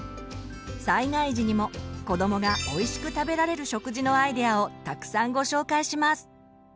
災害時にも子どもがおいしく食べられる食事のアイデアをたくさんご紹介します。